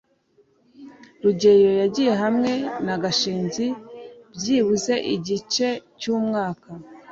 rugeyo yagiye hamwe na gashinzi byibuze igice cyumwaka